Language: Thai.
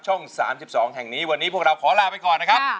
๓๒แห่งนี้วันนี้พวกเราขอลาไปก่อนนะครับ